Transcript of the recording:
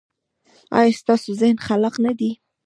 ایا ستاسو ذهن خلاق نه دی؟